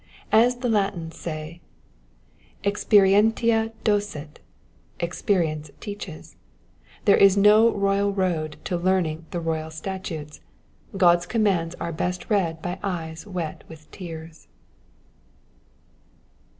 As the Latins say, Experientia docet, expe rience teaches. There is no royal road to learning the royal statutes ; God^s commands are best read by eyes wet with tears.